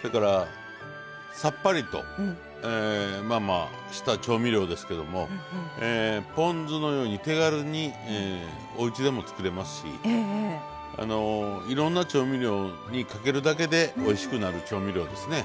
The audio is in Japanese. それからさっぱりとした調味料ですけどもポン酢のように手軽におうちでも作れますしいろんな調味料にかけるだけでおいしくなる調味料ですね。